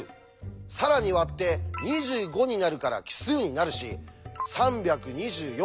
更に割って２５になるから奇数になるし３２４